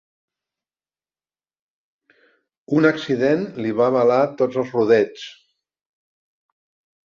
Un accident li va velar tots els rodets.